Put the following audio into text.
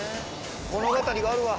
物語があるわ。